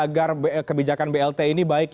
agar kebijakan blt ini baik